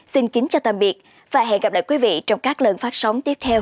xin kính chào tạm biệt và hẹn gặp lại quý vị trong các lần phát sóng tiếp theo